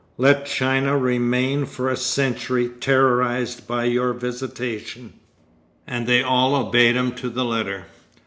Let China remain for a century terrorised by your visitation." And they all obeyed him to the letter.